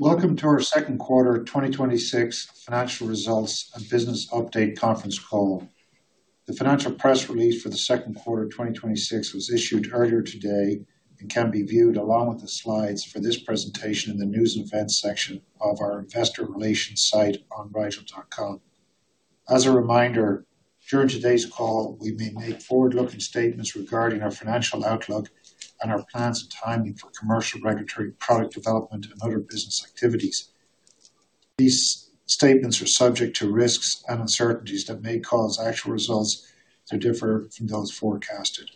Welcome to our Q2 2026 Financial Results and Business Update Conference Call. The financial press release for the Q2 2026 was issued earlier today and can be viewed along with the slides for this presentation in the News and Events section of our investor relations site on rigel.com. As a reminder, during today's call, we may make forward-looking statements regarding our financial outlook and our plans and timing for commercial regulatory product development and other business activities. These statements are subject to risks and uncertainties that may cause actual results to differ from those forecasted.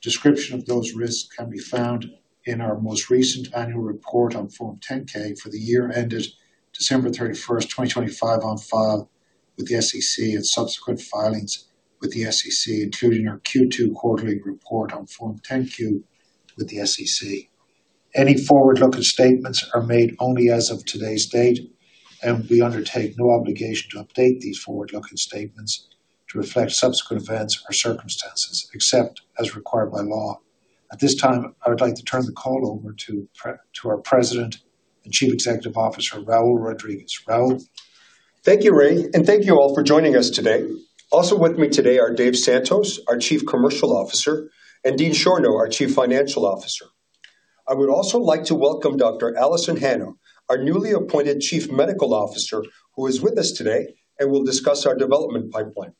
Description of those risks can be found in our most recent annual report on Form 10-K for the year ended December 31st, 2025, on file with the SEC, and subsequent filings with the SEC, including our Q2 quarterly report on Form 10-Q with the SEC. Any forward-looking statements are made only as of today's date, and we undertake no obligation to update these forward-looking statements to reflect subsequent events or circumstances, except as required by law. At this time, I would like to turn the call over to our President and Chief Executive Officer, Raul Rodriguez. Raul? Thank you, Ray, and thank you all for joining us today. Also with me today are Dave Santos, our Chief Commercial Officer, and Dean Schorno, our Chief Financial Officer. I would also like to welcome Dr. Alison Hannah, our newly appointed Chief Medical Officer, who is with us today and will discuss our development pipeline.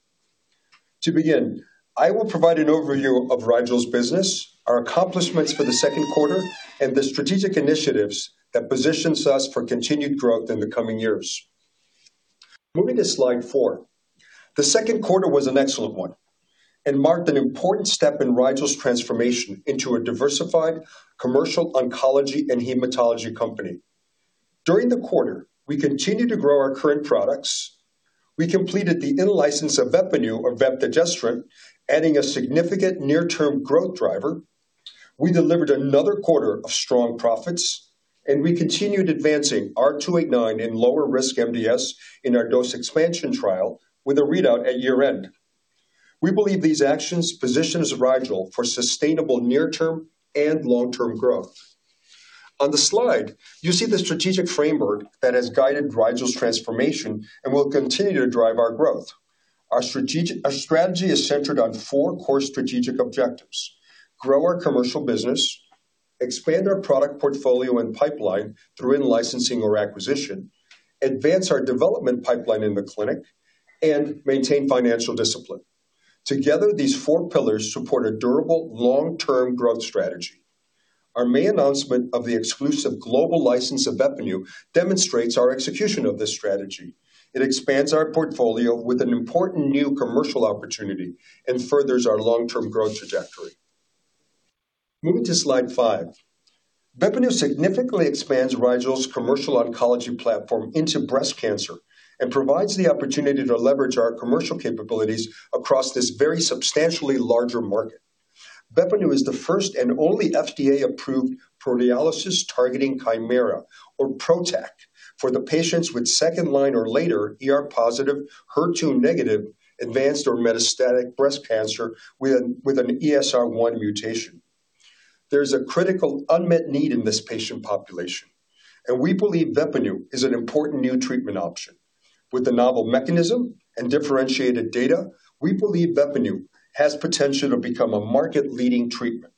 To begin, I will provide an overview of Rigel's business, our accomplishments for the Q2, and the strategic initiatives that positions us for continued growth in the coming years. Moving to slide four. The Q2 was an excellent one and marked an important step in Rigel's transformation into a diversified commercial oncology and hematology company. During the quarter, we continued to grow our current products. We completed the in-license of VEPPANU or vepdegestrant, adding a significant near-term growth driver. We delivered another quarter of strong profits, and we continued advancing R289 in lower-risk MDS in our dose expansion trial with a readout at year-end. We believe these actions positions Rigel for sustainable near-term and long-term growth. On the slide, you see the strategic framework that has guided Rigel's transformation and will continue to drive our growth. Our strategy is centered on four core strategic objectives: grow our commercial business, expand our product portfolio and pipeline through in-licensing or acquisition, advance our development pipeline in the clinic, and maintain financial discipline. Together, these four pillars support a durable long-term growth strategy. Our May announcement of the exclusive global license of VEPPANU demonstrates our execution of this strategy. It expands our portfolio with an important new commercial opportunity and furthers our long-term growth trajectory. Moving to slide five. VEPPANU significantly expands Rigel's commercial oncology platform into breast cancer and provides the opportunity to leverage our commercial capabilities across this very substantially larger market. VEPPANU is the first and only FDA-approved proteolysis targeting chimera, or PROTAC, for the patients with second-line or later ER-positive, HER2-negative, advanced or metastatic breast cancer with an ESR1 mutation. There is a critical unmet need in this patient population, and we believe VEPPANU is an important new treatment option. With the novel mechanism and differentiated data, we believe VEPPANU has potential to become a market-leading treatment.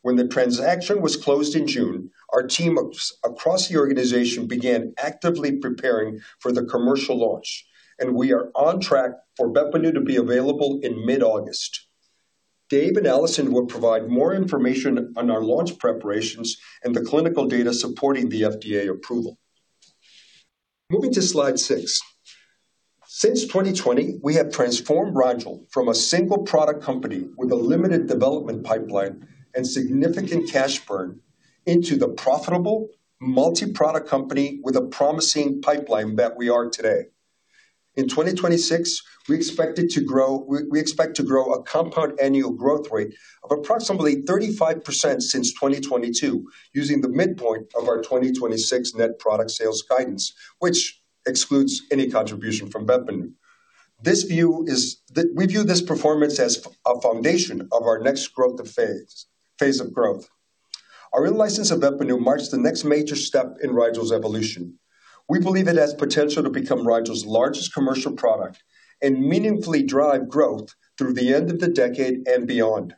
When the transaction was closed in June, our team across the organization began actively preparing for the commercial launch, and we are on track for VEPPANU to be available in mid-August. Dave and Alison will provide more information on our launch preparations and the clinical data supporting the FDA approval. Moving to slide six. Since 2020, we have transformed Rigel from a single-product company with a limited development pipeline and significant cash burn into the profitable multi-product company with a promising pipeline that we are today. In 2026, we expect to grow a compound annual growth rate of approximately 35% since 2022 using the midpoint of our 2026 net product sales guidance, which excludes any contribution from VEPPANU. We view this performance as a foundation of our next phase of growth. Our in-license of VEPPANU marks the next major step in Rigel's evolution. We believe it has potential to become Rigel's largest commercial product and meaningfully drive growth through the end of the decade and beyond.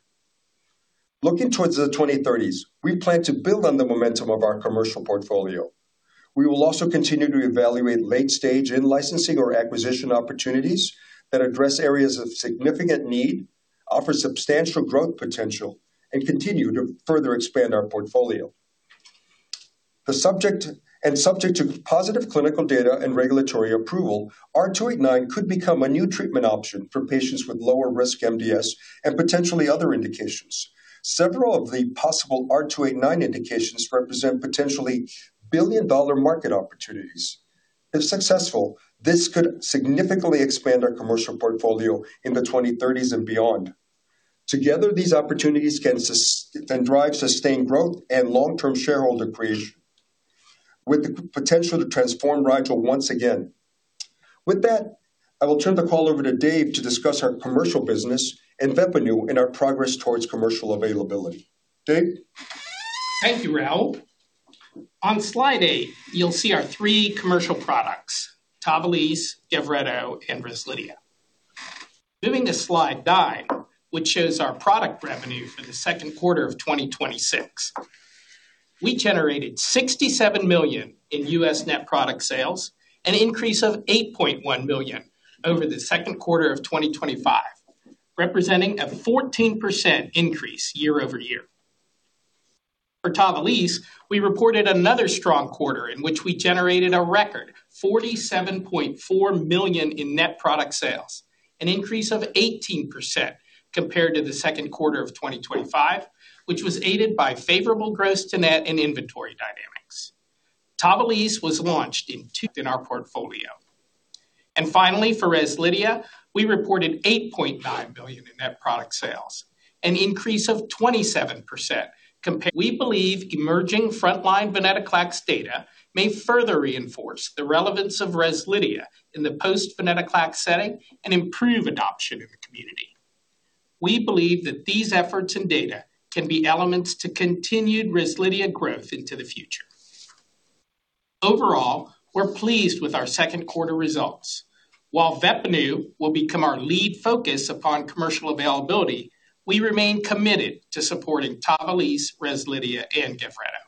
Looking towards the 2030s, we plan to build on the momentum of our commercial portfolio. We will also continue to evaluate late-stage in-licensing or acquisition opportunities that address areas of significant need, offer substantial growth potential, and continue to further expand our portfolio. Subject to positive clinical data and regulatory approval, R289 could become a new treatment option for patients with lower risk MDS and potentially other indications. Several of the possible R289 indications represent potentially billion-dollar market opportunities. If successful, this could significantly expand our commercial portfolio in the 2030s and beyond. Together, these opportunities can drive sustained growth and long-term shareholder creation with the potential to transform Rigel once again. With that, I will turn the call over to Dave to discuss our commercial business and VEPPANU and our progress towards commercial availability. Dave? Thank you, Raul. On slide eight, you'll see our three commercial products, TAVALISSE, GAVRETO, and REZLIDHIA. Moving to slide nine, which shows our product revenue for the Q2 of 2026. We generated $67 million in U.S. net product sales, an increase of $8.1 million over the Q2 of 2025, representing a 14% increase year-over-year. For TAVALISSE, we reported another strong quarter in which we generated a record, $47.4 million in net product sales, an increase of 18% compared to the Q2 of 2025, which was aided by favorable gross to net and inventory dynamics. TAVALISSE was launched in our portfolio. And finally, for REZLIDHIA, we reported $8.9 million in net product sales, an increase of 27% compared. We believe emerging frontline VENCLEXTA data may further reinforce the relevance of REZLIDHIA in the post-VENCLEXTA setting and improve adoption in the community. We believe that these efforts and data can be elements to continued REZLIDHIA growth into the future. Overall, we're pleased with our Q2 results. While VEPPANU will become our lead focus upon commercial availability, we remain committed to supporting TAVALISSE, REZLIDHIA, and GAVRETO.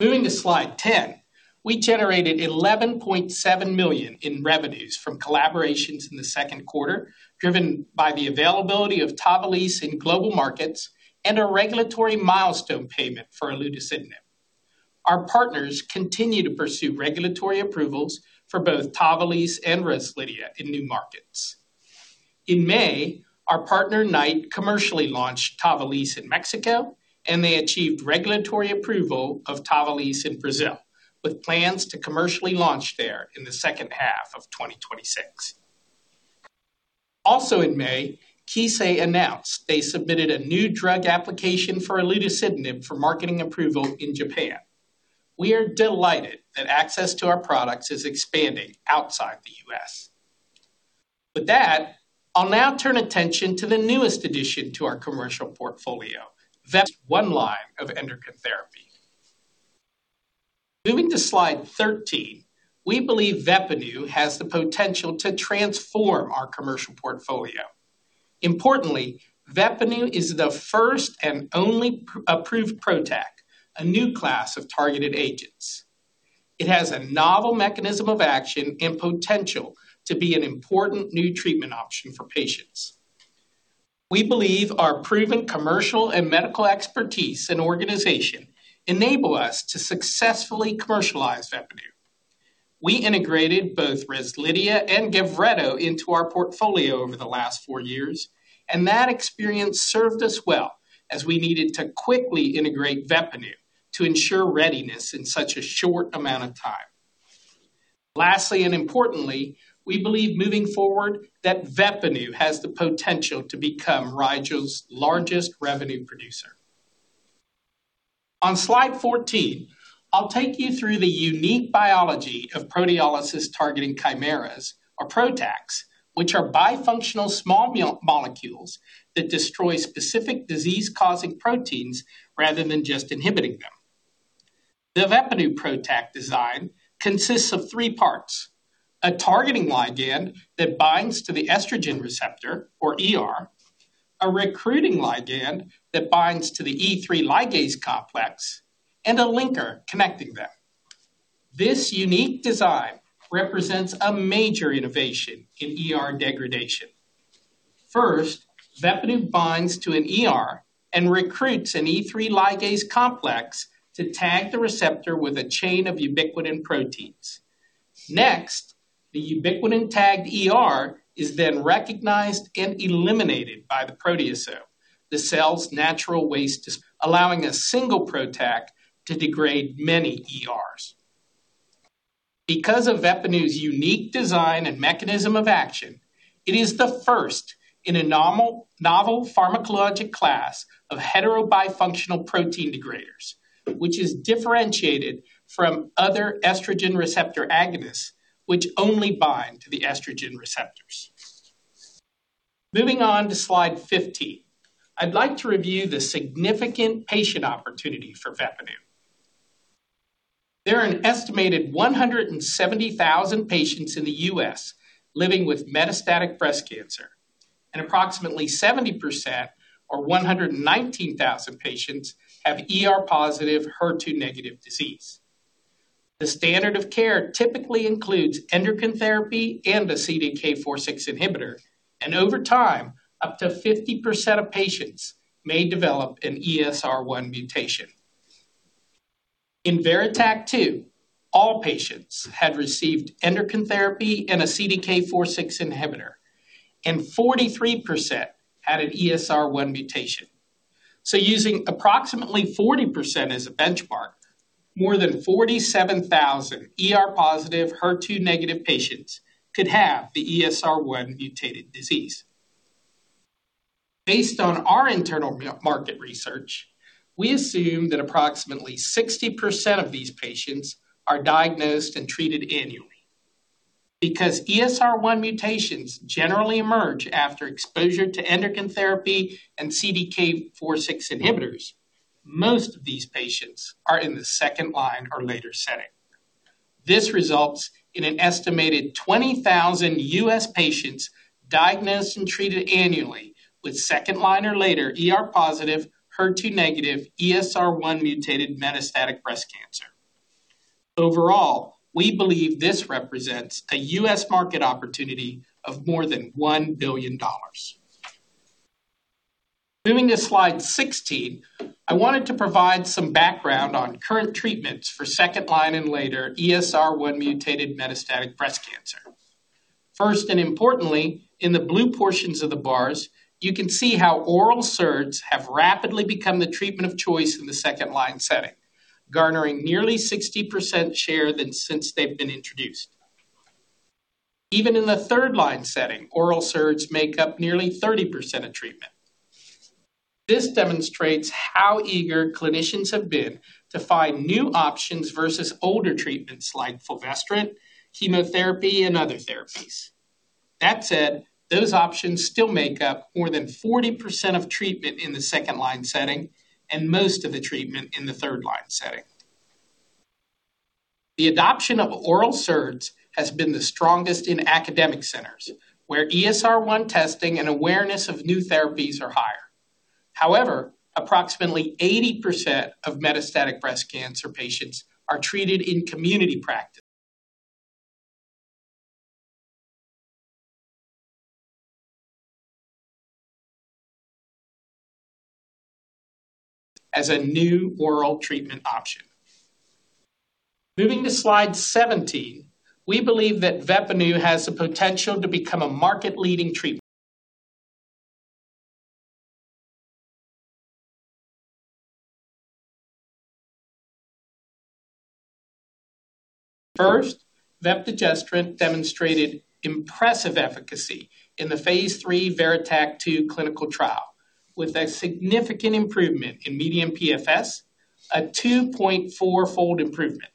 Moving to slide 10, we generated $11.7 million in revenues from collaborations in the Q2, driven by the availability of TAVALISSE in global markets and a regulatory milestone payment for elacestrant. Our partners continue to pursue regulatory approvals for both TAVALISSE and REZLIDHIA in new markets. In May, our partner, Knight, commercially launched TAVALISSE in Mexico, and they achieved regulatory approval of TAVALISSE in Brazil, with plans to commercially launch there in the second half of 2026. Also in May, Kissei announced they submitted a new drug application for elacestrant for marketing approval in Japan. We are delighted that access to our products is expanding outside the U.S. With that, I'll now turn attention to the newest addition to our commercial portfolio, VEPPANU. One line of endocrine therapy. Moving to slide 13, we believe VEPPANU has the potential to transform our commercial portfolio. Importantly, VEPPANU is the first and only approved PROTAC, a new class of targeted agents. It has a novel mechanism of action and potential to be an important new treatment option for patients. We believe our proven commercial and medical expertise and organization enable us to successfully commercialize VEPPANU. We integrated both REZLIDHIA and GAVRETO into our portfolio over the last four years, and that experience served us well as we needed to quickly integrate VEPPANU to ensure readiness in such a short amount of time. Lastly, importantly, we believe moving forward that VEPPANU has the potential to become Rigel's largest revenue producer. On slide 14, I'll take you through the unique biology of proteolysis targeting chimeras, or PROTACs, which are bifunctional small molecules that destroy specific disease-causing proteins rather than just inhibiting them. The VEPPANU PROTAC design consists of three parts. A targeting ligand that binds to the estrogen receptor, or ER, a recruiting ligand that binds to the E3 ligase complex, and a linker connecting them. This unique design represents a major innovation in ER degradation. First, VEPPANU binds to an ER and recruits an E3 ligase complex to tag the receptor with a chain of ubiquitin proteins. Next, the ubiquitin tagged ER is then recognized and eliminated by the proteasome, the cell's natural waste, allowing a single PROTAC to degrade many ERs. Because of VEPPANU's unique design and mechanism of action, it is the first in a novel pharmacologic class of heterobifunctional protein degraders, which is differentiated from other estrogen receptor antagonists, which only bind to the estrogen receptors. Moving on to slide 15. I'd like to review the significant patient opportunity for VEPPANU. There are an estimated 170,000 patients in the U.S. living with metastatic breast cancer, and approximately 70%, or 119,000 patients, have ER-positive, HER2-negative disease. The standard of care typically includes endocrine therapy and a CDK4/6 inhibitor, and over time, up to 50% of patients may develop an ESR1 mutation. In VERITAC-2, all patients had received endocrine therapy and a CDK4/6 inhibitor, and 43% had an ESR1 mutation. Using approximately 40% as a benchmark, more than 47,000 ER-positive, HER2-negative patients could have the ESR1 mutated disease. Based on our internal market research, we assume that approximately 60% of these patients are diagnosed and treated annually. Because ESR1 mutations generally emerge after exposure to endocrine therapy and CDK4/6 inhibitors, most of these patients are in the second-line or later setting. This results in an estimated 20,000 U.S. patients diagnosed and treated annually with second-line or later ER-positive, HER2-negative, ESR1-mutated metastatic breast cancer. Overall, we believe this represents a U.S. market opportunity of more than $1 billion. Moving to slide 16, I wanted to provide some background on current treatments for second-line and later ESR1-mutated metastatic breast cancer. First, and importantly, in the blue portions of the bars, you can see how oral SERDs have rapidly become the treatment of choice in the second-line setting, garnering nearly 60% share since they've been introduced. Even in the third-line setting, oral SERDs make up nearly 30% of treatment. This demonstrates how eager clinicians have been to find new options versus older treatments like fulvestrant, chemotherapy, and other therapies. That said, those options still make up more than 40% of treatment in the second-line setting and most of the treatment in the third-line setting. The adoption of oral SERDs has been the strongest in academic centers, where ESR1 testing and awareness of new therapies are higher. However, approximately 80% of metastatic breast cancer patients are treated in community practice as a new oral treatment option. Moving to slide 17, we believe that VEPPANU has the potential to become a market-leading treatment. First, vepdegestrant demonstrated impressive efficacy in the phase III VERITAC-2 clinical trial with a significant improvement in median PFS, a 2.4-fold improvement,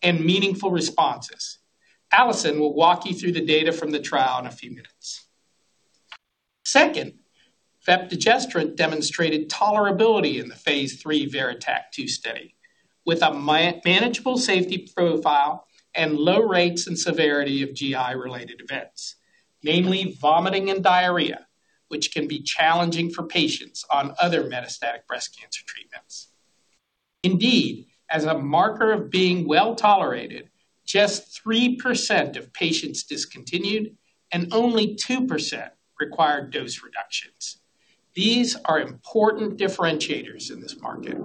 and meaningful responses. Alison will walk you through the data from the trial in a few minutes. Second, vepdegestrant demonstrated tolerability in the phase III VERITAC-2 study with a manageable safety profile and low rates and severity of GI-related events, mainly vomiting and diarrhea, which can be challenging for patients on other metastatic breast cancer treatments. Indeed, as a marker of being well-tolerated, just 3% of patients discontinued, and only 2% required dose reductions. These are important differentiators in this market.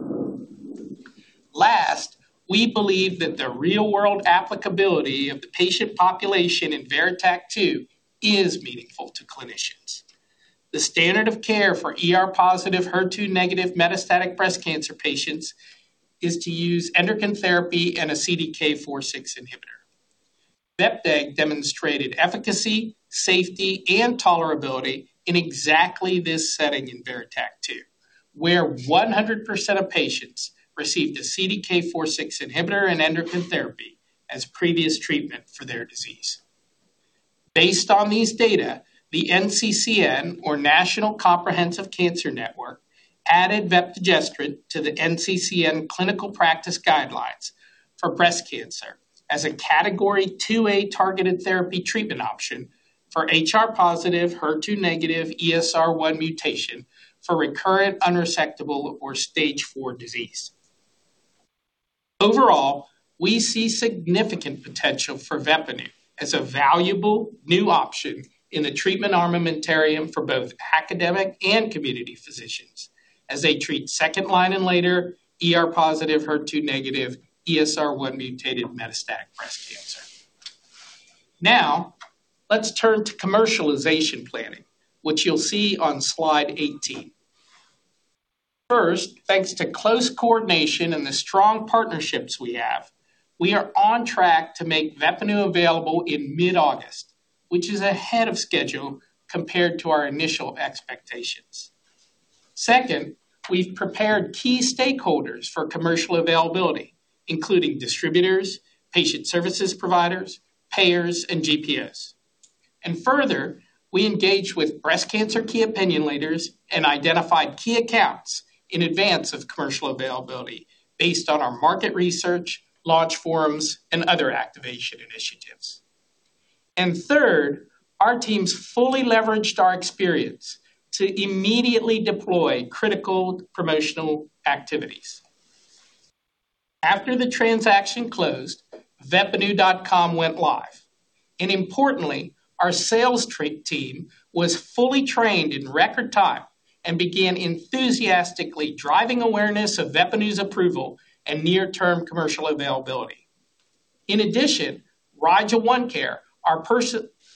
Last, we believe that the real-world applicability of the patient population in VERITAC-2 is meaningful to clinicians. The standard of care for ER-positive, HER2-negative metastatic breast cancer patients is to use endocrine therapy and a CDK4/6 inhibitor. Vepdegestrant demonstrated efficacy, safety, and tolerability in exactly this setting in VERITAC-2, where 100% of patients received a CDK4/6 inhibitor and endocrine therapy as previous treatment for their disease. Based on these data, the NCCN, or National Comprehensive Cancer Network, added vepdegestrant to the NCCN Clinical Practice Guidelines for breast cancer as a Category 2A targeted therapy treatment option for HR-positive, HER2-negative ESR1 mutation for recurrent, unresectable, or stage four disease. Overall, we see significant potential for VEPPANU as a valuable new option in the treatment armamentarium for both academic and community physicians as they treat second-line and later ER-positive, HER2-negative, ESR1-mutated metastatic breast cancer. Now, let's turn to commercialization planning, which you'll see on slide 18. First, thanks to close coordination and the strong partnerships we have, we are on track to make VEPPANU available in mid-August, which is ahead of schedule compared to our initial expectations. Second, we've prepared key stakeholders for commercial availability, including distributors, patient services providers, payers, and GPOs. Further, we engaged with breast cancer key opinion leaders and identified key accounts in advance of commercial availability based on our market research, launch forums, and other activation initiatives. Third, our teams fully leveraged our experience to immediately deploy critical promotional activities. After the transaction closed, veppanu.com went live. Importantly, our sales team was fully trained in record time and began enthusiastically driving awareness of VEPPANU's approval and near-term commercial availability. In addition, RIGEL ONECARE, our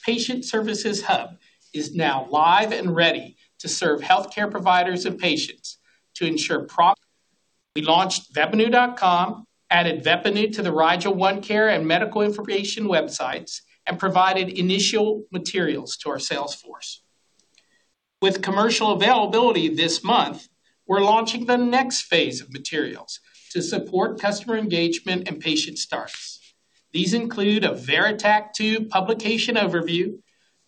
patient services hub, is now live and ready to serve healthcare providers and patients. We launched veppanu.com, added VEPPANU to the RIGEL ONECARE and medical information websites, and provided initial materials to our sales force. With commercial availability this month, we're launching the next phase of materials to support customer engagement and patient starts. These include a VERITAC-2 publication overview,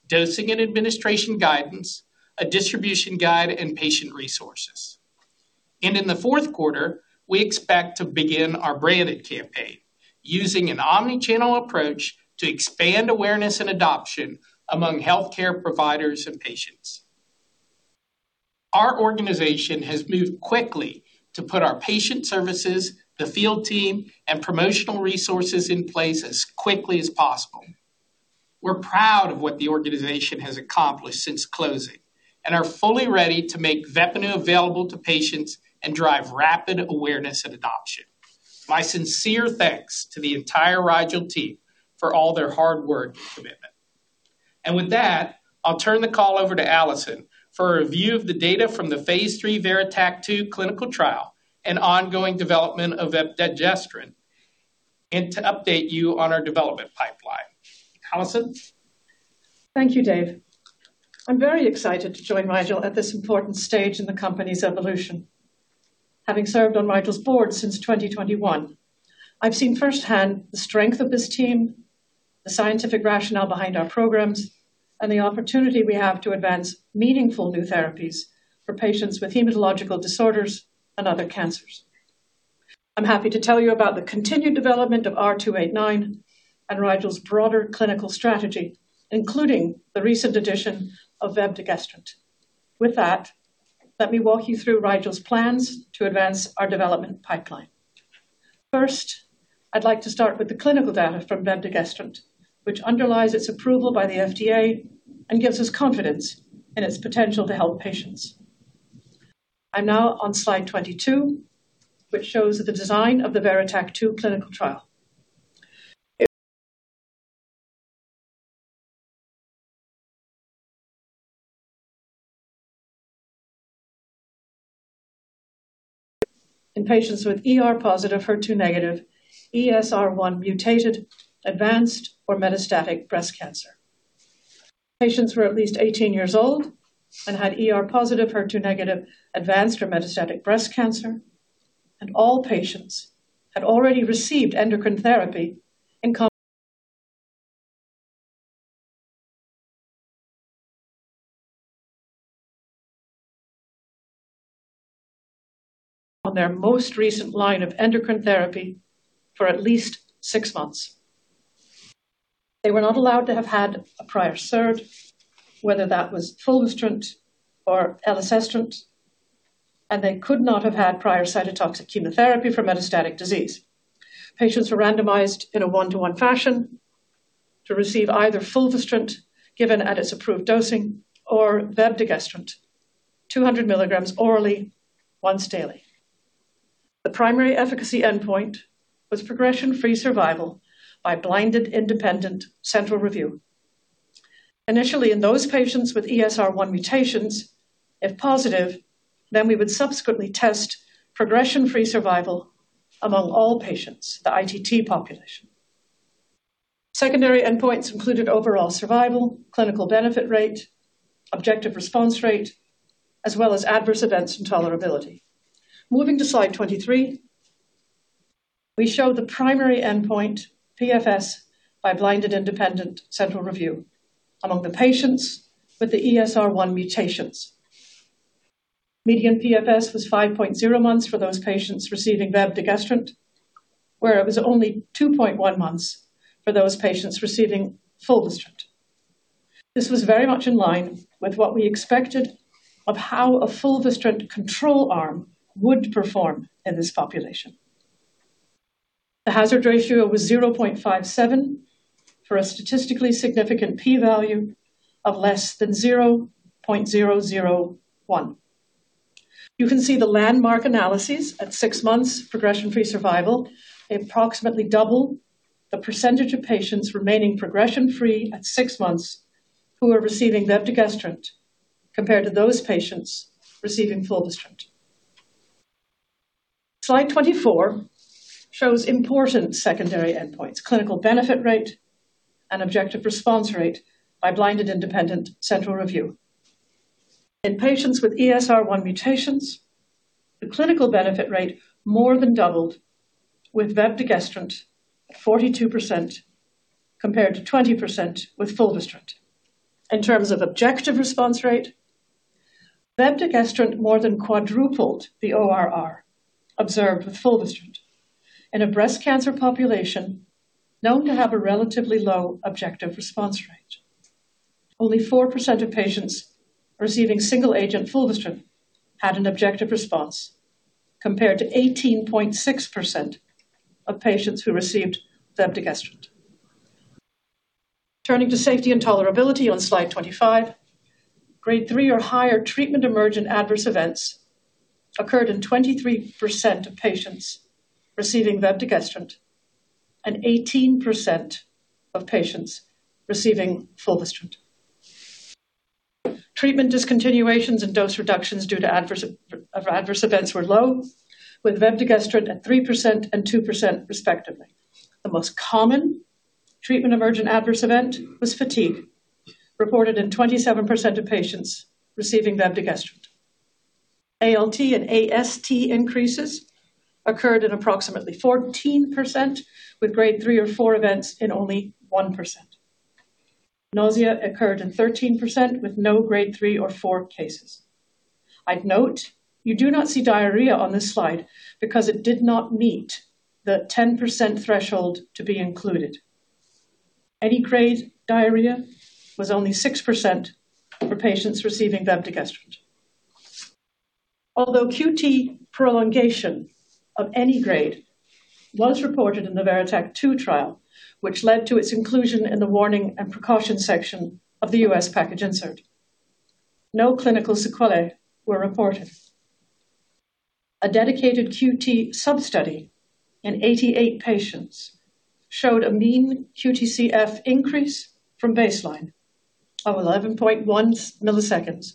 dosing and administration guidance, a distribution guide, and patient resources. In the Q4, we expect to begin our branded campaign using an omni-channel approach to expand awareness and adoption among healthcare providers and patients. Our organization has moved quickly to put our patient services, the field team, and promotional resources in place as quickly as possible. We're proud of what the organization has accomplished since closing and are fully ready to make VEPPANU available to patients and drive rapid awareness and adoption. My sincere thanks to the entire Rigel team for all their hard work and commitment. With that, I'll turn the call over to Alison for a review of the data from the phase III VERITAC-2 clinical trial and ongoing development of vepdegestrant, and to update you on our development pipeline. Alison? Thank you, Dave. I'm very excited to join Rigel at this important stage in the company's evolution. Having served on Rigel's board since 2021, I've seen firsthand the strength of this team, the scientific rationale behind our programs, and the opportunity we have to advance meaningful new therapies for patients with hematological disorders and other cancers. I'm happy to tell you about the continued development of R289 and Rigel's broader clinical strategy, including the recent addition of vepdegestrant. With that, let me walk you through Rigel's plans to advance our development pipeline. First, I'd like to start with the clinical data from vepdegestrant, which underlies its approval by the FDA and gives us confidence in its potential to help patients. I'm now on slide 22, which shows the design of the VERITAC-2 clinical trial in patients with ER-positive, HER2-negative, ESR1 mutated, advanced or metastatic breast cancer. Patients were at least 18 years old and had ER-positive, HER2-negative, advanced or metastatic breast cancer, and all patients had already received endocrine therapy on their most recent line of endocrine therapy for at least six months. They were not allowed to have had a prior SERD, whether that was fulvestrant or elacestrant, and they could not have had prior cytotoxic chemotherapy for metastatic disease. Patients were randomized in a one-to-one fashion to receive either fulvestrant given at its approved dosing or vepdegestrant, 200 milligrams orally once daily. The primary efficacy endpoint was progression-free survival by blinded independent central review. Initially, in those patients with ESR1 mutations, if positive, then we would subsequently test progression-free survival among all patients, the ITT population. Secondary endpoints included overall survival, clinical benefit rate, objective response rate, as well as adverse events and tolerability. Moving to slide 23, we show the primary endpoint, PFS by blinded independent central review among the patients with the ESR1 mutations. Median PFS was 5.0 months for those patients receiving vepdegestrant, where it was only 2.1 months for those patients receiving fulvestrant. This was very much in line with what we expected of how a fulvestrant control arm would perform in this population. The hazard ratio was 0.57 for a statistically significant P value of less than 0.001. You can see the landmark analyses at six months progression-free survival, approximately double the percentage of patients remaining progression-free at six months who are receiving vepdegestrant compared to those patients receiving fulvestrant. Slide 24 shows important secondary endpoints, clinical benefit rate and objective response rate by blinded independent central review. In patients with ESR1 mutations, the clinical benefit rate more than doubled with vepdegestrant at 42% compared to 20% with fulvestrant. In terms of objective response rate, vepdegestrant more than quadrupled the ORR observed with fulvestrant in a breast cancer population known to have a relatively low objective response rate. Only 4% of patients receiving single agent fulvestrant had an objective response, compared to 18.6% of patients who received vepdegestrant. Turning to safety and tolerability on slide 25, grade three or higher treatment emergent adverse events occurred in 23% of patients receiving vepdegestrant and 18% of patients receiving fulvestrant. Treatment discontinuations and dose reductions due to adverse events were low, with vepdegestrant at 3% and 2% respectively. The most common treatment-emergent adverse event was fatigue, reported in 27% of patients receiving vepdegestrant. ALT and AST increases occurred in approximately 14%, with grade three or four events in only 1%. Nausea occurred in 13% with no grade three or four cases. I'd note you do not see diarrhea on this slide because it did not meet the 10% threshold to be included. Any grade diarrhea was only 6% for patients receiving vepdegestrant. Although QT prolongation of any grade was reported in the VERITAC-2 trial, which led to its inclusion in the warning and precaution section of the U.S. package insert, no clinical sequelae were reported. A dedicated QT sub-study in 88 patients showed a mean QTcF increase from baseline of 11.1 milliseconds,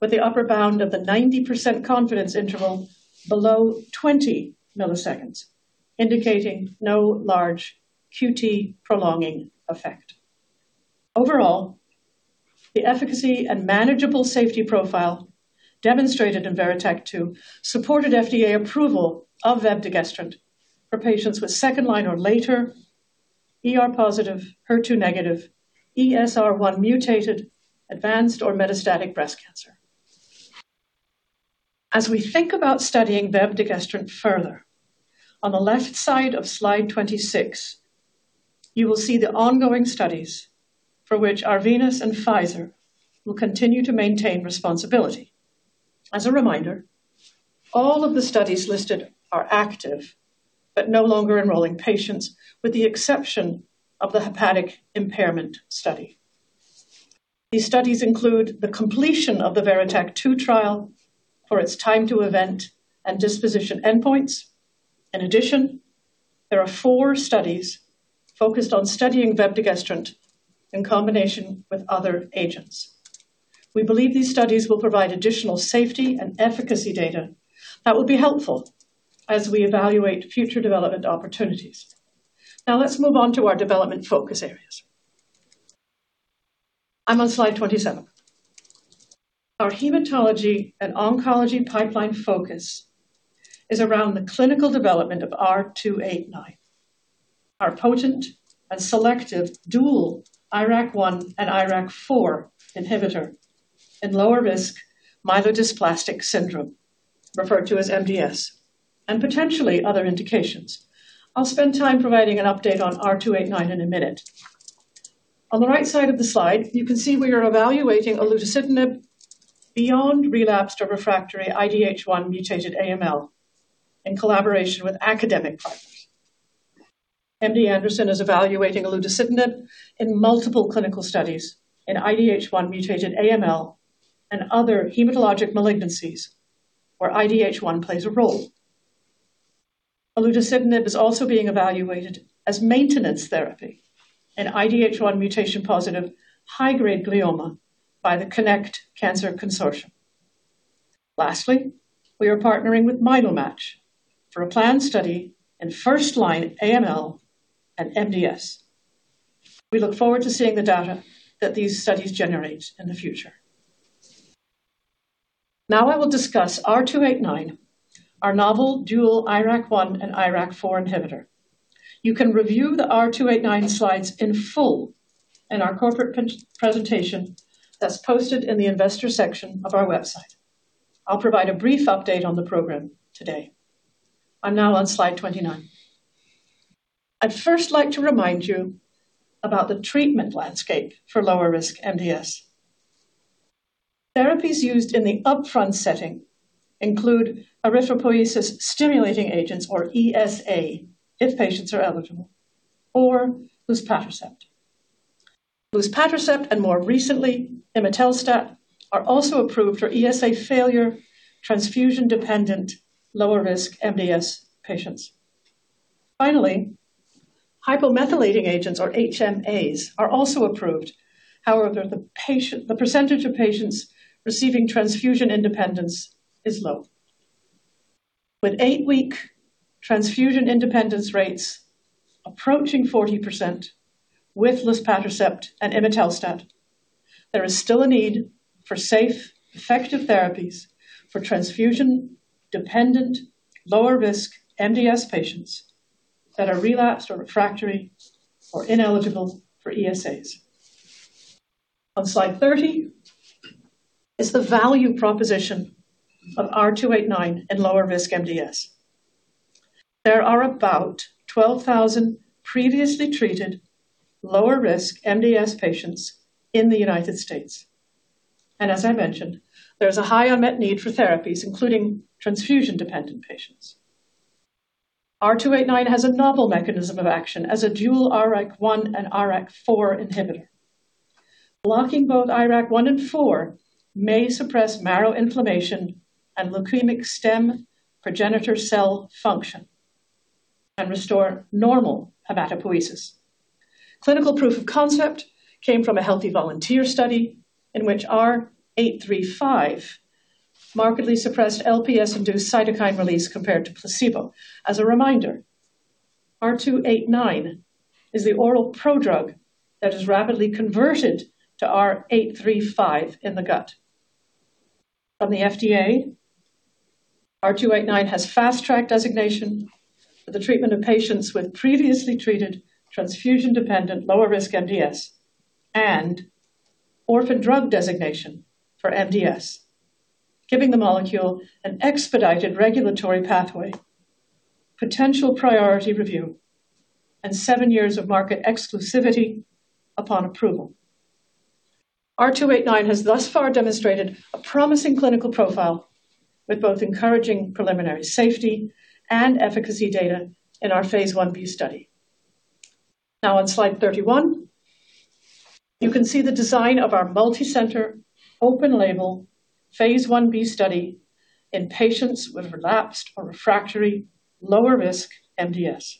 with the upper bound of the 90% confidence interval below 20 milliseconds, indicating no large QT-prolonging effect. Overall, the efficacy and manageable safety profile demonstrated in VERITAC-2 supported FDA approval of vepdegestrant for patients with second-line or later ER-positive, HER2-negative, ESR1-mutated advanced or metastatic breast cancer. As we think about studying vepdegestrant further, on the left side of slide 26, you will see the ongoing studies for which Arvinas and Pfizer will continue to maintain responsibility. As a reminder, all of the studies listed are active but no longer enrolling patients, with the exception of the hepatic impairment study. These studies include the completion of the VERITAC-2 trial for its time to event and disposition endpoints. In addition, there are four studies focused on studying vepdegestrant in combination with other agents. We believe these studies will provide additional safety and efficacy data that will be helpful as we evaluate future development opportunities. Now let's move on to our development focus areas. I'm on slide 27. Our hematology and oncology pipeline focus is around the clinical development of R289, our potent and selective dual IRAK1 and IRAK4 inhibitor in lower-risk myelodysplastic syndrome, referred to as MDS, and potentially other indications. I'll spend time providing an update on R289 in a minute. On the right side of the slide, you can see we are evaluating olutasidenib beyond relapsed or refractory IDH1-mutated AML in collaboration with academic partners. MD Anderson is evaluating olutasidenib in multiple clinical studies in IDH1-mutated AML and other hematologic malignancies where IDH1 plays a role. Olutasidenib is also being evaluated as maintenance therapy in IDH1 mutation-positive high-grade glioma by the CONNECT Cancer Consortium. Lastly, we are partnering with MyeloMATCH for a planned study in first-line AML and MDS. We look forward to seeing the data that these studies generate in the future. I will discuss R289, our novel dual IRAK1 and IRAK4 inhibitor. You can review the R289 slides in full in our corporate presentation that's posted in the investor section of our website. I'll provide a brief update on the program today. I'm now on slide 29. I'd first like to remind you about the treatment landscape for lower-risk MDS. Therapies used in the upfront setting include erythropoiesis-stimulating agents, or ESA, if patients are eligible, or luspatercept. Luspatercept, and more recently, imetelstat, are also approved for ESA-failure, transfusion-dependent, lower-risk MDS patients. Finally, hypomethylating agents, or HMAs, are also approved. However, the percentage of patients receiving transfusion independence is low. With eight-week transfusion independence rates approaching 40% with luspatercept and imetelstat, there is still a need for safe, effective therapies for transfusion-dependent, lower-risk MDS patients that are relapsed or refractory or ineligible for ESAs. On slide 30 is the value proposition of R289 in lower-risk MDS. There are about 12,000 previously treated lower-risk MDS patients in the U.S. As I mentioned, there's a high unmet need for therapies, including transfusion-dependent patients. R289 has a novel mechanism of action as a dual IRAK1 and IRAK4 inhibitor. Blocking both IRAK one and four may suppress marrow inflammation and leukemic stem progenitor cell function. Restore normal hematopoiesis. Clinical proof of concept came from a healthy volunteer study in which R835 markedly suppressed LPS-induced cytokine release compared to placebo. As a reminder, R289 is the oral prodrug that is rapidly converted to R835 in the gut. From the FDA, R289 has Fast Track designation for the treatment of patients with previously treated transfusion-dependent lower-risk MDS and Orphan Drug Designation for MDS, giving the molecule an expedited regulatory pathway, potential priority review, and seven years of market exclusivity upon approval. R289 has thus far demonstrated a promising clinical profile with both encouraging preliminary safety and efficacy data in our phase I-B study. On slide 31, you can see the design of our multicenter open-label phase I-B study in patients with relapsed or refractory lower-risk MDS.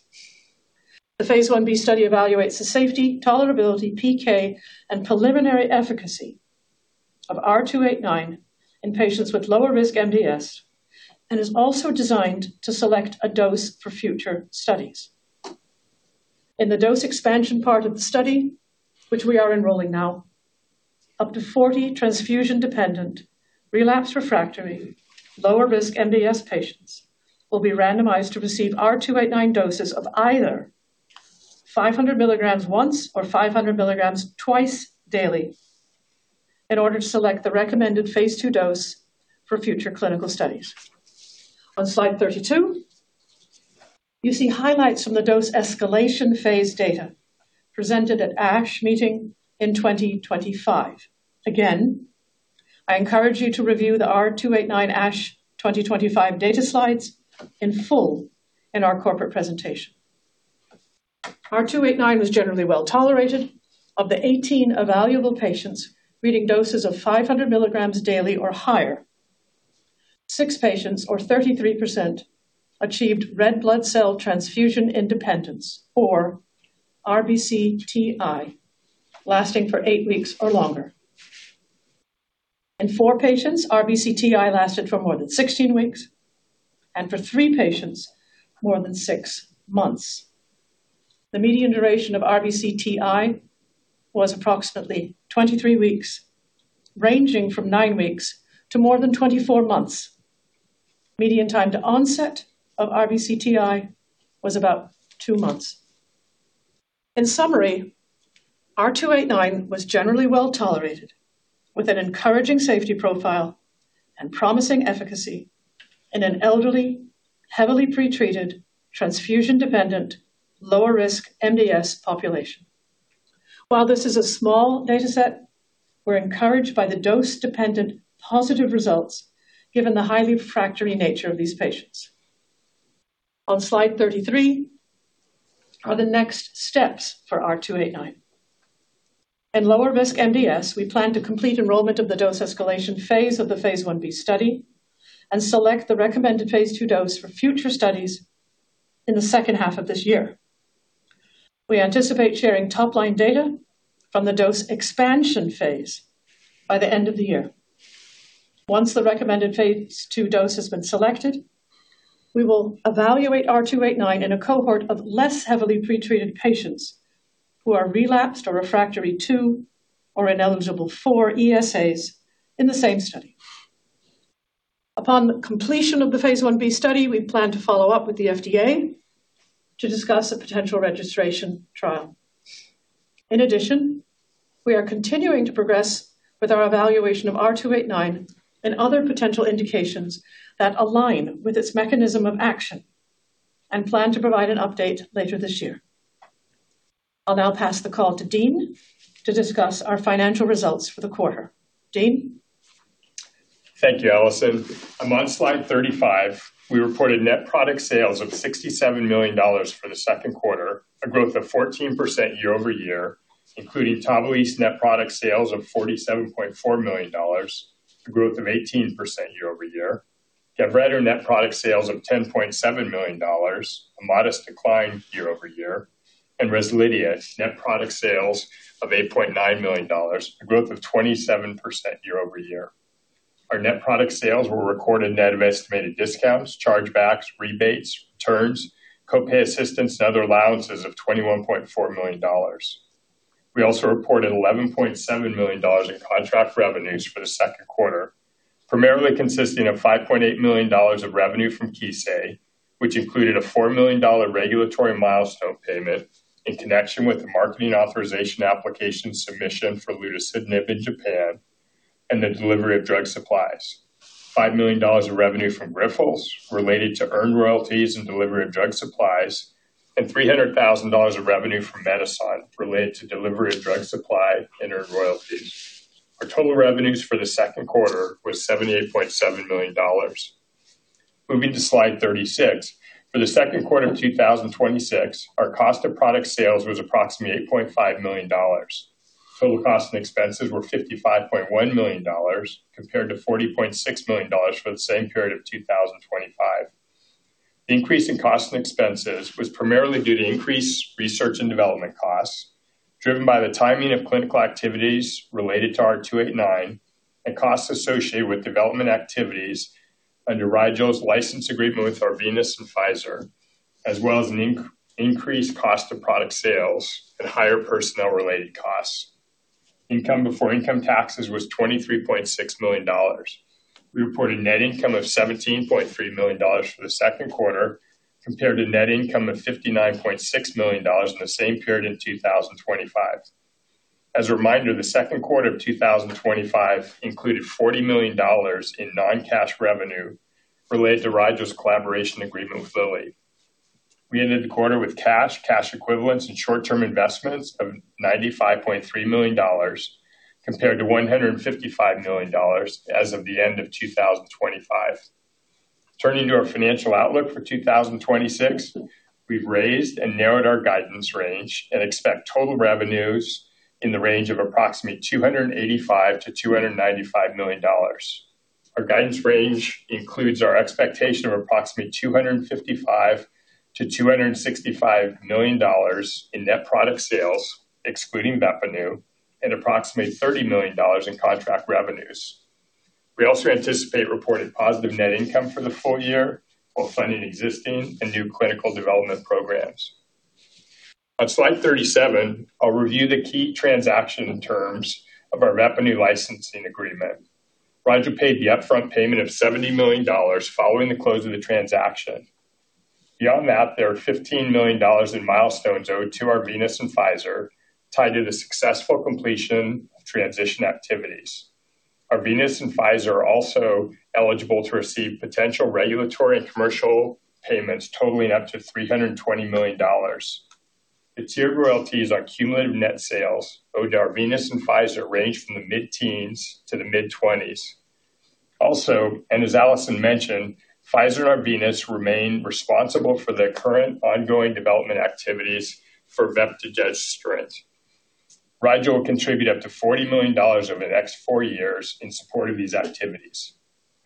The phase I-B study evaluates the safety, tolerability, PK, and preliminary efficacy of R289 in patients with lower-risk MDS and is also designed to select a dose for future studies. In the dose expansion part of the study, which we are enrolling now, up to 40 transfusion-dependent relapsed/refractory lower-risk MDS patients will be randomized to receive R289 doses of either 500 milligrams once or 500 milligrams twice daily in order to select the recommended phase II dose for future clinical studies. On slide 32, you see highlights from the dose escalation phase data presented at ASH meeting in 2025. I encourage you to review the R289 ASH 2025 data slides in full in our corporate presentation. R289 was generally well-tolerated. Of the 18 evaluable patients receiving doses of 500 milligrams daily or higher, six patients or 33% achieved red blood cell transfusion independence, or RBCTI, lasting for eight weeks or longer. In four patients, RBCTI lasted for more than 16 weeks, and for three patients, more than six months. The median duration of RBCTI was approximately 23 weeks, ranging from nine weeks to more than 24 months. Median time to onset of RBCTI was about two months. In summary, R289 was generally well-tolerated with an encouraging safety profile and promising efficacy in an elderly, heavily pretreated, transfusion-dependent, lower-risk MDS population. While this is a small dataset, we are encouraged by the dose-dependent positive results given the highly refractory nature of these patients. On slide 33 are the next steps for R289. In lower-risk MDS, we plan to complete enrollment of the dose escalation phase of the phase I-B study and select the recommended phase II dose for future studies in the second half of this year. We anticipate sharing top-line data from the dose expansion phase by the end of the year. Once the recommended phase II dose has been selected, we will evaluate R289 in a cohort of less heavily pretreated patients who are relapsed or refractory to or ineligible for ESAs in the same study. Upon completion of the phase I-B study, we plan to follow up with the FDA to discuss a potential registration trial. In addition, we are continuing to progress with our evaluation of R289 and other potential indications that align with its mechanism of action and plan to provide an update later this year. I will now pass the call to Dean to discuss our financial results for the quarter. Dean? Thank you, Alison. I am on slide 35. We reported net product sales of $67 million for the Q2, a growth of 14% year-over-year, including TAVALISSE net product sales of $47.4 million, a growth of 18% year-over-year. GAVRETO net product sales of $10.7 million, a modest decline year-over-year, and REZLIDHIA net product sales of $8.9 million, a growth of 27% year-over-year. Our net product sales were recorded net of estimated discounts, chargebacks, rebates, returns, co-pay assistance, and other allowances of $21.4 million. We also reported $11.7 million in contract revenues for the Q2, primarily consisting of $5.8 million of revenue from Kissei, which included a $4 million regulatory milestone payment in connection with the marketing authorization application submission for olutasidenib in Japan and the delivery of drug supplies. $5 million of revenue from Grifols related to earned royalties and delivery of drug supplies, and $300,000 of revenue from Medison related to delivery of drug supply and earned royalties. Our total revenues for the Q2 was $78.7 million. Moving to slide 36. For the Q2 of 2026, our cost of product sales was approximately $8.5 million. Total costs and expenses were $55.1 million compared to $40.6 million for the same period of 2025. The increase in costs and expenses was primarily due to increased research and development costs driven by the timing of clinical activities related to R289 and costs associated with development activities under Rigel's license agreement with Arvinas and Pfizer, as well as an increased cost of product sales and higher personnel-related costs. Income before income taxes was $23.6 million. We reported net income of $17.3 million for the Q2 compared to net income of $59.6 million in the same period in 2025. As a reminder, the Q2 of 2025 included $40 million in non-cash revenue related to Rigel's collaboration agreement with Lilly. We ended the quarter with cash equivalents, and short-term investments of $95.3 million compared to $155 million as of the end of 2025. Turning to our financial outlook for 2026. We've raised and narrowed our guidance range and expect total revenues in the range of approximately $285 million-$295 million. Our guidance range includes our expectation of approximately $255 million-$265 million in net product sales, excluding VEPPANU, and approximately $30 million in contract revenues. We also anticipate reported positive net income for the full year while funding existing and new clinical development programs. On slide 37, I'll review the key transaction terms of our VEPPANU licensing agreement. Rigel paid the upfront payment of $70 million following the close of the transaction. Beyond that, there are $15 million in milestones owed to Arvinas and Pfizer tied to the successful completion of transition activities. Arvinas and Pfizer are also eligible to receive potential regulatory and commercial payments totaling up to $320 million. The tiered royalties on cumulative net sales owed to Arvinas and Pfizer range from the mid-teens to the mid-20s. As Alison mentioned, Pfizer and Arvinas remain responsible for the current ongoing development activities for vepdegestrant. Rigel will contribute up to $40 million over the next four years in support of these activities.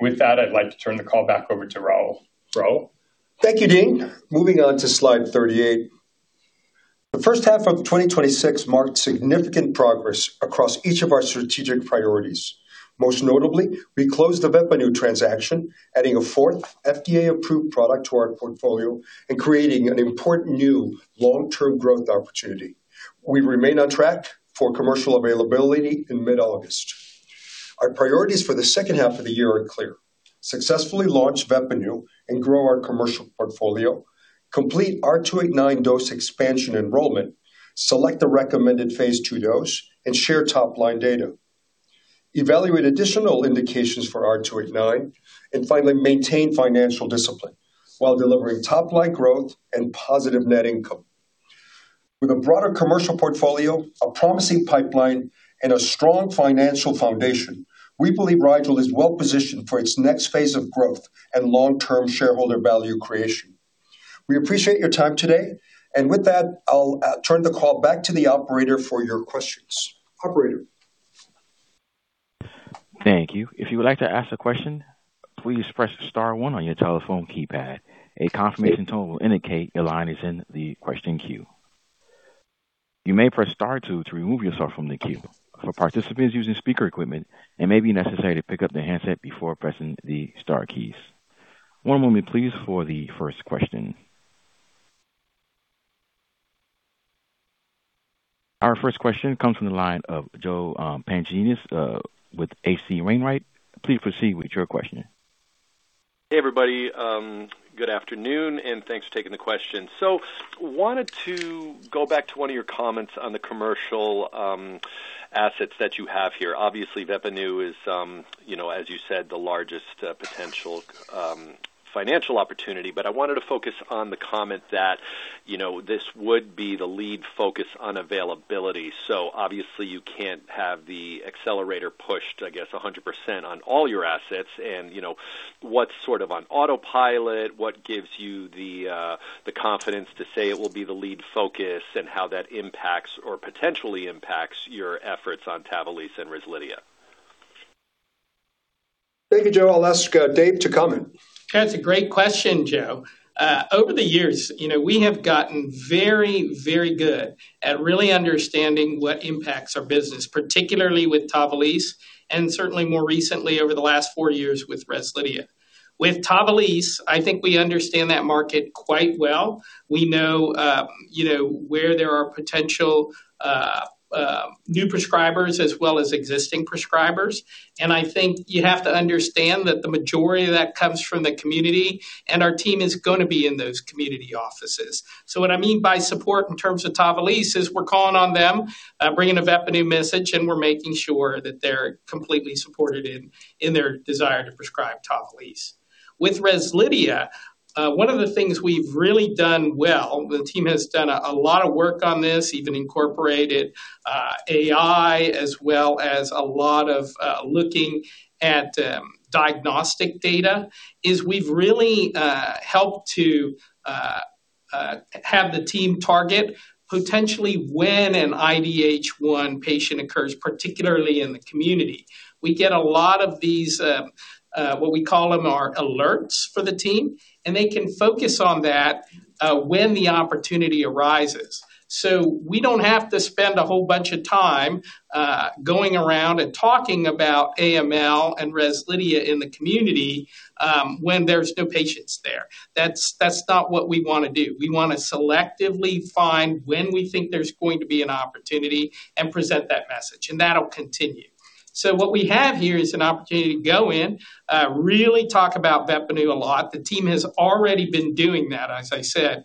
With that, I'd like to turn the call back over to Raul. Raul? Thank you, Dean. Moving on to slide 38. The first half of 2026 marked significant progress across each of our strategic priorities. Most notably, we closed the VEPPANU transaction, adding a fourth FDA-approved product to our portfolio and creating an important new long-term growth opportunity. We remain on track for commercial availability in mid-August. Our priorities for the second half of the year are clear. Successfully launch VEPPANU and grow our commercial portfolio, complete R289 dose expansion enrollment, select the recommended phase II dose, evaluate additional indications for R289, and finally, maintain financial discipline while delivering top-line growth and positive net income. With a broader commercial portfolio, a promising pipeline, and a strong financial foundation, we believe Rigel is well-positioned for its next phase of growth and long-term shareholder value creation. We appreciate your time today. With that, I'll turn the call back to the operator for your questions. Operator? Thank you. If you would like to ask a question, please press star one on your telephone keypad. A confirmation tone will indicate your line is in the question queue. You may press star two to remove yourself from the queue. For participants using speaker equipment, it may be necessary to pick up the handset before pressing the star keys. One moment please for the first question. Our first question comes from the line of Joseph Pantginis with H.C. Wainwright. Please proceed with your question. Hey, everybody. Good afternoon. Thanks for taking the question. Wanted to go back to one of your comments on the commercial assets that you have here. Obviously, VEPPANU is, as you said, the largest potential financial opportunity. I wanted to focus on the comment that this would be the lead focus on availability. Obviously, you can't have the accelerator pushed, I guess, 100% on all your assets and what's sort of on autopilot, what gives you the confidence to say it will be the lead focus and how that impacts or potentially impacts your efforts on TAVALISSE and REZLIDHIA? Thank you, Joe. I'll ask Dave to comment. That's a great question, Joe. Over the years, we have gotten very, very good at really understanding what impacts our business, particularly with TAVALISSE, and certainly more recently over the last four years with REZLIDHIA. With TAVALISSE, I think we understand that market quite well. We know where there are potential new prescribers as well as existing prescribers, and I think you have to understand that the majority of that comes from the community, and our team is going to be in those community offices. What I mean by support in terms of TAVALISSE is we're calling on them, bringing a VEPPANU message, and we're making sure that they're completely supported in their desire to prescribe TAVALISSE. With REZLIDHIA, one of the things we've really done well, the team has done a lot of work on this, even incorporated AI as well as a lot of looking at diagnostic data, is we've really helped to have the team target potentially when an IDH1 patient occurs, particularly in the community. We get a lot of these, what we call them, our alerts for the team, and they can focus on that when the opportunity arises. We don't have to spend a whole bunch of time going around and talking about AML and REZLIDHIA in the community when there's no patients there. That's not what we want to do. We want to selectively find when we think there's going to be an opportunity and present that message, and that'll continue. What we have here is an opportunity to go in, really talk about VEPPANU a lot. The team has already been doing that, as I said,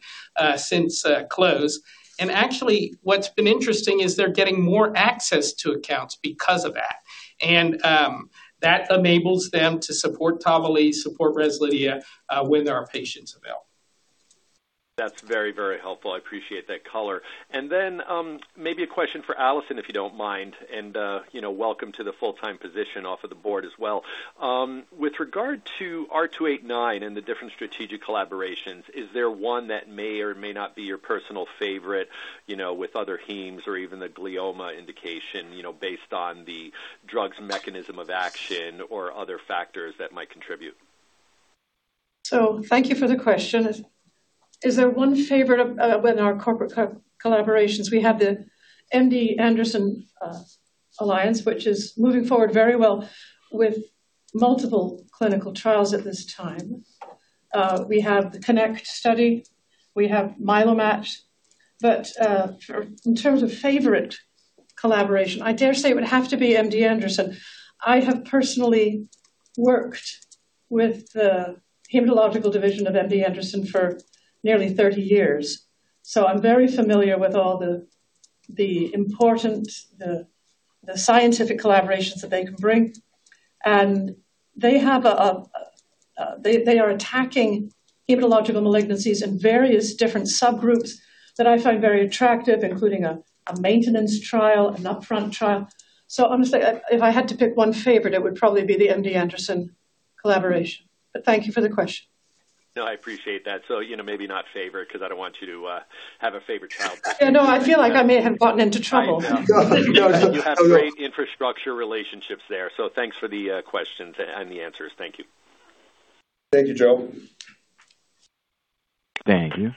since close. Actually, what's been interesting is they're getting more access to accounts because of that. That enables them to support TAVALISSE, support REZLIDHIA when there are patients available. That's very, very helpful. I appreciate that color. Maybe a question for Alison, if you don't mind. Welcome to the full-time position off of the board as well. With regard to R289 and the different strategic collaborations, is there one that may or may not be your personal favorite, with other hemes or even the glioma indication, based on the drug's mechanism of action or other factors that might contribute? Thank you for the question. Is there one favorite of when our corporate collaborations, we have the MD Anderson Alliance, which is moving forward very well with multiple clinical trials at this time. We have the CONNECT study. We have MyeloMATCH. In terms of favorite collaboration, I dare say it would have to be MD Anderson. I have personally worked with the hematological division of MD Anderson for nearly 30 years, so I'm very familiar with all the important scientific collaborations that they can bring. They are attacking hematological malignancies in various different subgroups that I find very attractive, including a maintenance trial, an upfront trial. Honestly, if I had to pick one favorite, it would probably be the MD Anderson collaboration. Thank you for the question. I appreciate that. Maybe not favorite because I don't want you to have a favorite child. I feel like I may have gotten into trouble. No. You have great infrastructure relationships there, so thanks for the questions and the answers. Thank you. Thank you, Joe. Thank you.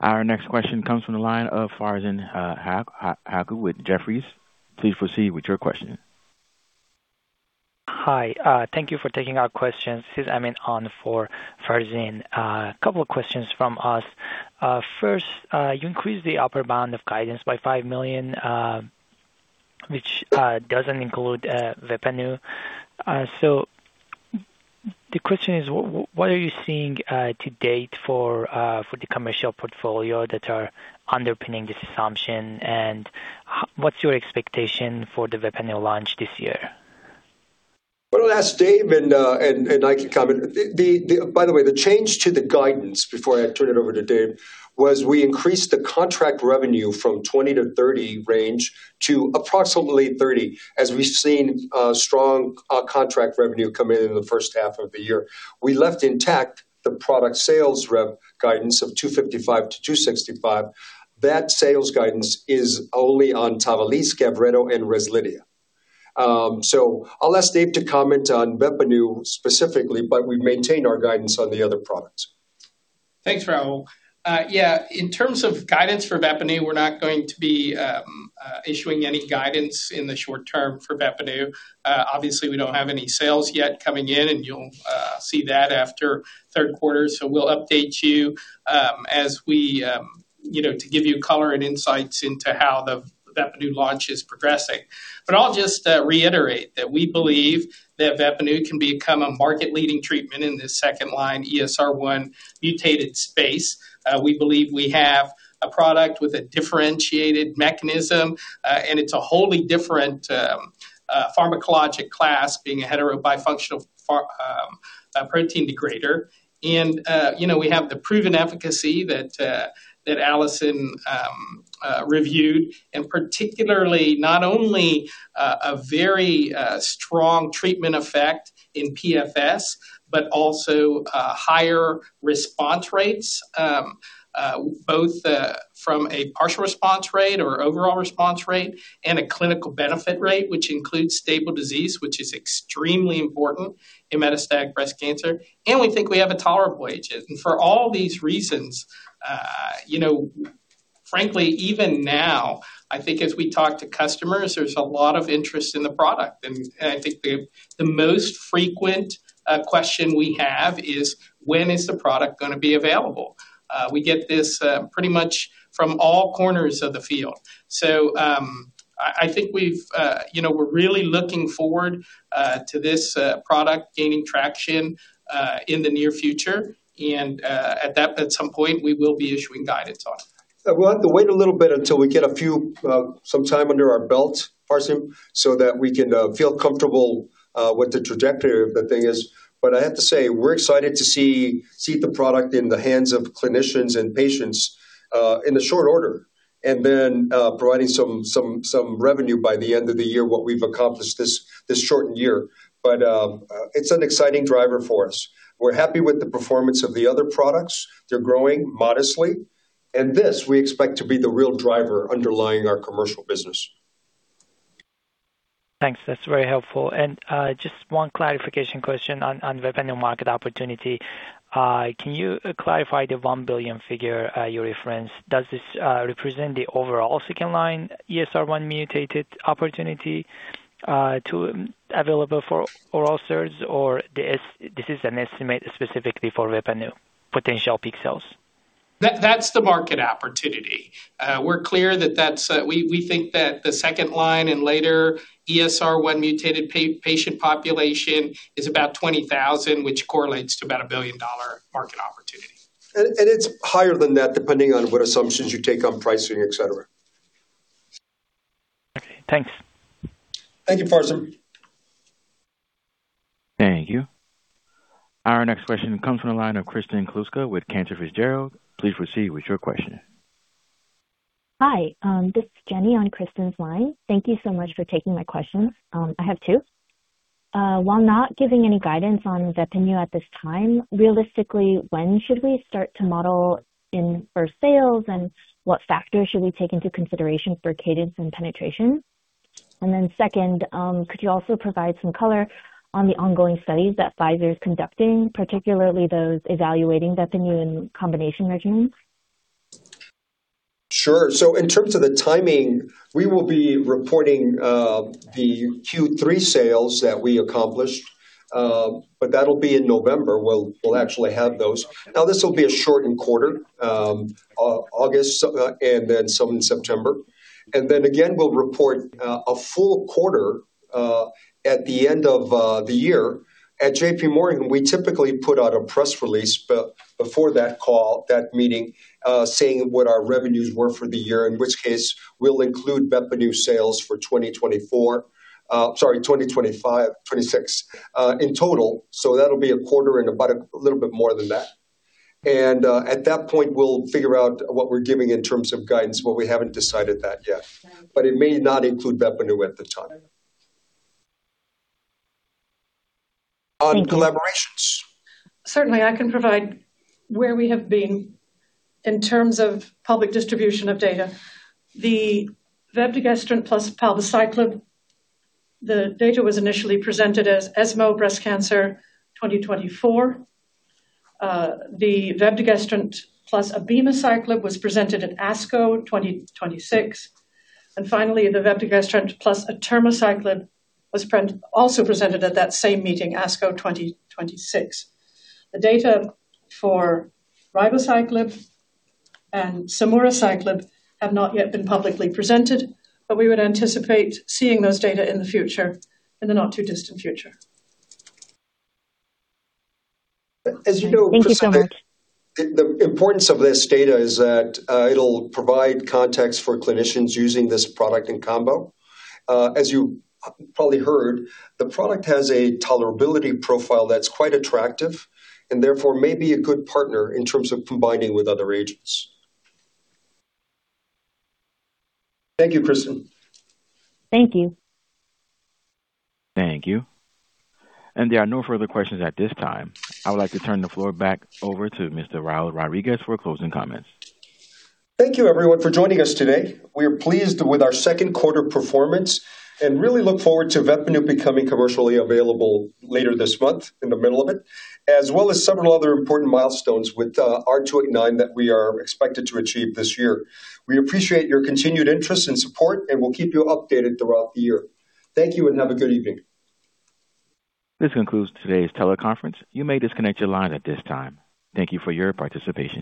Our next question comes from the line of Farzin Haque with Jefferies. Please proceed with your question. Hi. Thank you for taking our questions. This is Amin on for Farzin. A couple of questions from us. First, you increased the upper bound of guidance by $5 million, which doesn't include VEPPANU. The question is, what are you seeing to date for the commercial portfolio that are underpinning this assumption, and what's your expectation for the VEPPANU launch this year? Well, I'll ask Dave, I can comment. By the way, the change to the guidance, before I turn it over to Dave, was we increased the contract revenue from $20 million-$30 million range to approximately $30 million, as we've seen strong contract revenue come in in the first half of the year. We left intact the product sales guidance of $255 million-$265 million. That sales guidance is only on TAVALISSE, GAVRETO, and REZLIDHIA. I'll ask Dave to comment on VEPPANU specifically, but we've maintained our guidance on the other products. Thanks, Raul. Yeah. In terms of guidance for VEPPANU, we're not going to be issuing any guidance in the short term for VEPPANU. Obviously, we don't have any sales yet coming in, and you'll see that after the Q3. We'll update you to give you color and insights into how the VEPPANU launch is progressing. I'll just reiterate that we believe that VEPPANU can become a market-leading treatment in the second-line ESR1 mutated space. We believe we have a product with a differentiated mechanism, and it's a wholly different pharmacologic class, being a heterobifunctional protein degrader. We have the proven efficacy that Alison reviewed, and particularly not only a very strong treatment effect in PFS, but also higher response rates, both from a partial response rate or overall response rate and a clinical benefit rate, which includes stable disease, which is extremely important in metastatic breast cancer. We think we have a tolerable agent. For all these reasons, frankly, even now, I think as we talk to customers, there's a lot of interest in the product. I think the most frequent question we have is, "When is the product going to be available?" We get this pretty much from all corners of the field. I think we're really looking forward to this product gaining traction in the near future. At some point, we will be issuing guidance on it. We'll have to wait a little bit until we get some time under our belt, Farzin, so that we can feel comfortable with the trajectory of the thing is. I have to say, we're excited to see the product in the hands of clinicians and patients in the short order. Providing some revenue by the end of the year, what we've accomplished this shortened year. It's an exciting driver for us. We're happy with the performance of the other products. They're growing modestly. This, we expect to be the real driver underlying our commercial business. Thanks. That's very helpful. Just one clarification question on VEPPANU market opportunity. Can you clarify the $1 billion figure you referenced? Does this represent the overall second-line ESR1 mutated opportunity available for oral SERDs, or this is an estimate specifically for VEPPANU potential peak sales? That's the market opportunity. We're clear that we think that the second line and later ESR1 mutated patient population is about 20,000, which correlates to about a $1 billion market opportunity. It's higher than that, depending on what assumptions you take on pricing, et cetera. Okay, thanks. Thank you, Farzin. Thank you. Our next question comes from the line of Kristen Kluska with Cantor Fitzgerald. Please proceed with your question. Hi, this is Jenny on Kristen's line. Thank you so much for taking my questions. I have two. While not giving any guidance on VEPPANU at this time, realistically, when should we start to model in for sales, and what factors should we take into consideration for cadence and penetration? Second, could you also provide some color on the ongoing studies that Pfizer's conducting, particularly those evaluating VEPPANU in combination regimens? Sure. In terms of the timing, we will be reporting the Q3 sales that we accomplished. That'll be in November, we'll actually have those. This will be a shortened quarter, August and then some in September. Again, we'll report a full quarter at the end of the year. At JPMorgan, we typically put out a press release before that call, that meeting, saying what our revenues were for the year, in which case we'll include VEPPANU sales for 2024-- sorry, 2025, 2026 in total. That'll be a quarter and about a little bit more than that. At that point, we'll figure out what we're giving in terms of guidance, but we haven't decided that yet. It may not include VEPPANU at the time. On collaborations. Certainly, I can provide where we have been in terms of public distribution of data. The vepdegestrant plus palbociclib, the data was initially presented as ESMO Breast Cancer 2024. The vepdegestrant plus abemaciclib was presented at ASCO 2026. Finally, the vepdegestrant plus atirmociclib was also presented at that same meeting, ASCO 2026. The data for ribociclib and samuraciclib have not yet been publicly presented. We would anticipate seeing those data in the future, in the not-too-distant future. As you know- Thank you so much The importance of this data is that it'll provide context for clinicians using this product in combo. As you probably heard, the product has a tolerability profile that's quite attractive, and therefore may be a good partner in terms of combining with other agents. Thank you, Kristen. Thank you. Thank you. There are no further questions at this time. I would like to turn the floor back over to Mr. Raul Rodriguez for closing comments. Thank you, everyone, for joining us today. We are pleased with our Q2 performance and really look forward to VEPPANU becoming commercially available later this month, in the middle of it, as well as several other important milestones with R289 that we are expected to achieve this year. We appreciate your continued interest and support, and we'll keep you updated throughout the year. Thank you, and have a good evening. This concludes today's teleconference. You may disconnect your line at this time. Thank you for your participation.